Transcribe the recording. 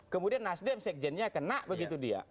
kemudian nasdem sekjennya kena begitu dia